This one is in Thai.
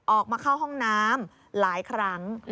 ออกมาเข้าห้องน้ำหลายครั้ง